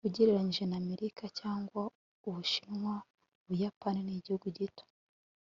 ugereranije na amerika cyangwa ubushinwa, ubuyapani nigihugu gito